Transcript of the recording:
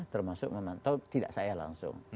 termasuk memantau tidak saya langsung